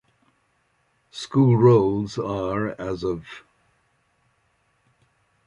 School rolls are as of